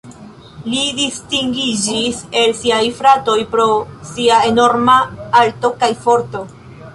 Li distingiĝis el siaj fratoj pro sia enorma alto kaj forto.